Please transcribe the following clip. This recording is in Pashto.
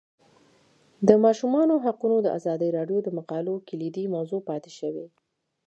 د ماشومانو حقونه د ازادي راډیو د مقالو کلیدي موضوع پاتې شوی.